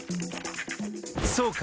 そうか！